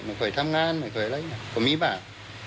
ไม่เคยทำงานไม่เคยอะไรอย่างนี้ก็มีบ้าง